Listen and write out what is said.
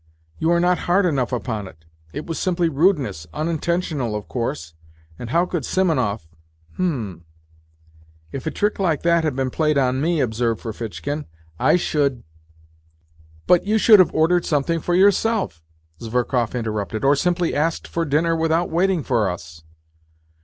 " You are not hard enough upon it. It was simply rudeness unintentional, of course. And how could Simonov ... h'm !"" If a trick like that had been played on me," observed Ferfitchkin, " I should ..." NOTES FROM UNDERGROUND 107 "But you should have ordered something for yourself," Zverkov interrupted, " or simply asked for dinner without waiting for us."